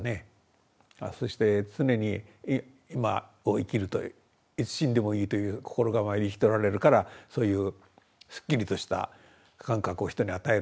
そして常に今を生きるといういつ死んでもいいという心構えで生きておられるからそういうすっきりとした感覚を人に与えるんでしょうかね。